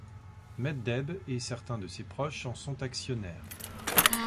Meddeb et certains de ses proches en sont actionnaires.